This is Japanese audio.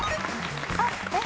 あっえっ？